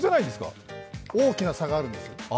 大きな差があるんです。